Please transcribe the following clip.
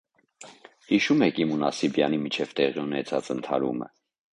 Հիշո՞ւմ եք իմ ու Նասիբյանի միջև տեղի ունեցած ընդհարումը: